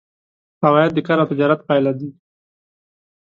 عواید د کار او تجارت پایله دي.